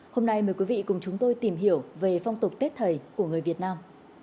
hôm nay mời quý vị cùng chúng tôi tìm hiểu về phong tục tết thầy của người việt nam